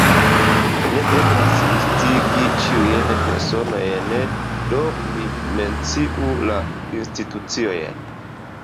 Ne eblas listigi ĉiujn personojn, do mi menciu la instituciojn.